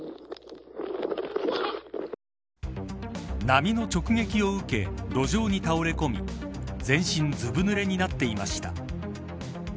波の直撃を受け路上に倒れこみ全身ずぶぬれになっていました。